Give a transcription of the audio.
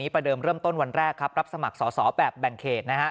ประเดิมเริ่มต้นวันแรกครับรับสมัครสอสอแบบแบ่งเขตนะฮะ